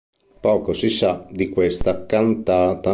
Poco si sa di questa cantata.